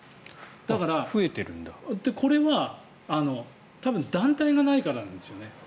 だから、これは多分団体がないからなんですよね。